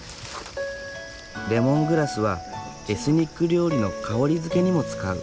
レモングラスはエスニック料理の香りづけにも使う。